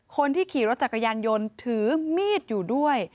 คนที่ขี่รถจักรยานยนต์ถือมีดอยู่ด้วย